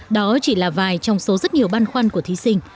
đó chỉ là vài trong số rất nhiều băn khoăn của thí sinh